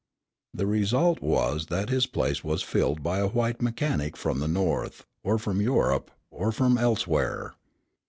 The result was that his place was filled by a white mechanic from the North, or from Europe, or from elsewhere.